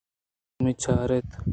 دومی ءَ چار اِت